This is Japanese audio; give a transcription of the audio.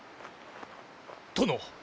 殿！